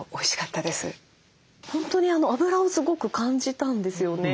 本当に脂をすごく感じたんですよね。